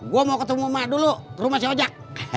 gue mau ketemu mak dulu ke rumah si ojak